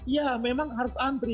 ya memang harus antri